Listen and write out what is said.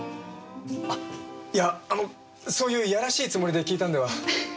あっいやあのそういうやらしいつもりで訊いたのでは。